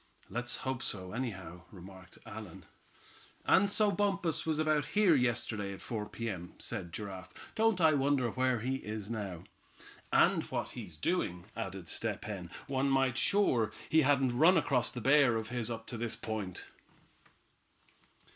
"Let's hope so, anyhow," remarked Allan. "And so Bumpus was about here yesterday at four P. M.," said Giraffe, "Don't I wonder where he is now." "And what he's doing," added Step Hen. "One thing sure, he hadn't run across that bear of his up to this point."